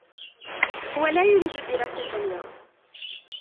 هو لا يريد الدراسة اليوم.